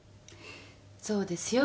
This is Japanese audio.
そうですよ。